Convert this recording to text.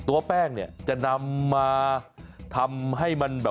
ตัวแป้งเนี่ยจะนำมาทำให้มันแบบ